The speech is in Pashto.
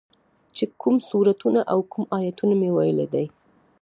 چې کوم سورتونه او کوم ايتونه مې ويلي دي.